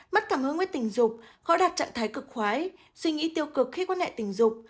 mất thảm hương với tình dục khỏi đạt trạng thái cực khoái suy nghĩ tiêu cực khi quan hệ tình dục